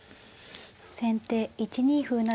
先手１二歩成。